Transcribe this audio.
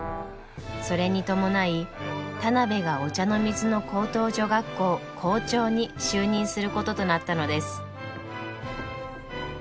それに伴い田邊が御茶ノ水の高等女学校校長に就任することとなったのです。